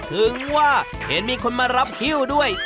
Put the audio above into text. ถึงว่าเห็นมีคนมารับฮิ้วด้วย